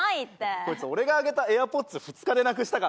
こいつ俺があげたＡｉｒＰｏｄｓ２日でなくしたからね。